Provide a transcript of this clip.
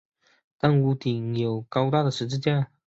但屋顶立有高大的十字架。